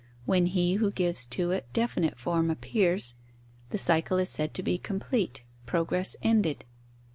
When he who gives to it definite form appears, the cycle is said to be complete, progress ended.